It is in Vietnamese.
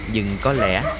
nhưng có lẽ